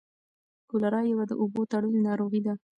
کولرا یوه د اوبو تړلۍ ناروغي ده.